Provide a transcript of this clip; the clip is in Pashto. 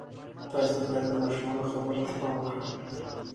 تاسې باید د ماشومانو خبرو ته پام وکړئ.